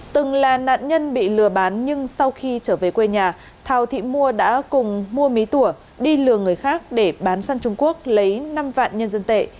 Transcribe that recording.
từng là nạn nhân bị lừa bán nhưng sau khi trở về quê nhà thào thị mua đã cùng mua mí tủa đi lừa người khác để bán sang trung quốc lấy năm vạn nhân dân tệ